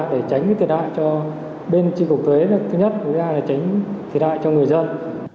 để tránh cái thiệt hại cho bên tri cục thuế thứ nhất thứ hai là tránh thiệt hại cho người dân